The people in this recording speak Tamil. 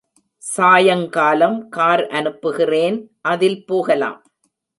சாயங்காலம் கார் அனுப்புகிறேன் அதில் போகலாம்.